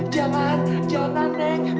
jangan jangan neng